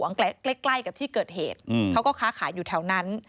ใกล้ใกล้กับที่เกิดเหตุเขาก็ค้าขายอยู่แถวนั้น